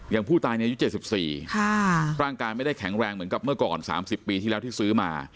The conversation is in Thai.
อย่างผู้ตายในอายุ๗๔ร่างกายไม่ได้แข็งแรงเหมือนกับเมื่อก่อน๓๐ปีที่แล้วที่ซื้อมา